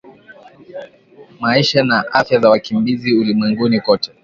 Maisha na Afya za wakimbizi ulimwenguni kote